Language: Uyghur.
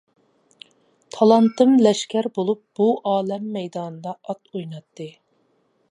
تالانتىم لەشكەر بولۇپ بۇ ئالەم مەيدانىدا ئات ئويناتتى.